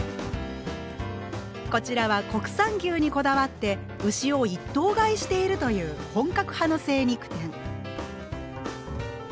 こちらは国産牛にこだわって牛を一頭買いしているという本格派の精肉店。